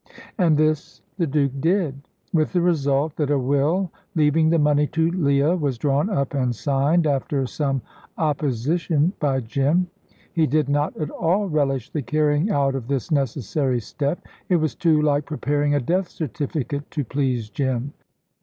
And this the Duke did, with the result that a will leaving the money to Leah was drawn up and signed, after some opposition, by Jim. He did not at all relish the carrying out of this necessary step. It was too like preparing a death certificate to please Jim.